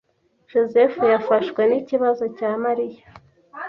Josehl yafashwe n'ikibazo cya Mariya.